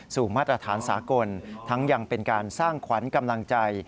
มาตรฐานสากลทั้งยังเป็นการสร้างขวัญกำลังใจ